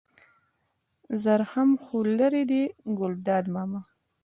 زرخم خو لېرې دی ګلداد ماما.